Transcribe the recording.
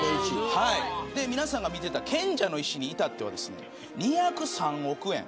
皆さんが見てた賢者の石に至っては２０３億円。